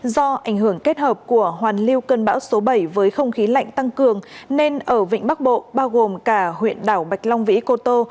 do ảnh hưởng kết hợp của hoàn lưu cơn bão số bảy với không khí lạnh tăng cường nên ở vịnh bắc bộ bao gồm cả huyện đảo bạch long vĩ cô tô